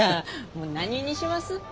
もう何にします？